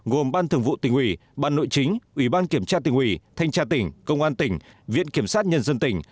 gồm ban thường vụ tỉnh ủy ban nội chính ủy ban kiểm tra tỉnh ủy thanh tra tỉnh công an tỉnh viện kiểm sát nhân dân tỉnh